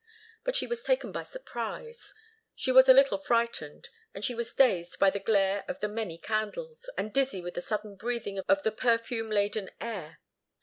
But she was taken by surprise; she was a little frightened, and she was dazed by the glare of the many candles, and dizzy with the sudden breathing of the perfume laden air.